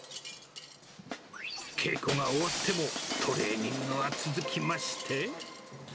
稽古が終わっても、トレーニングは続きまして。